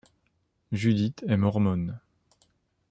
Judith est mormone.